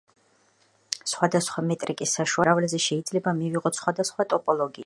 სხვადასხვა მეტრიკის საშუალებით ერთსა და იმავე სიმრავლეზე შეიძლება მივიღოთ სხვადასხვა ტოპოლოგია.